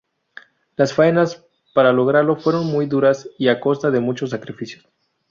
Las faenas para lograrlo fueron muy duras y a costa de muchos sacrificios.